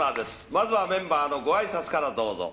まずはメンバーのごあいさつからどうぞ。